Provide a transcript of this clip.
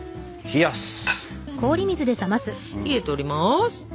冷えております！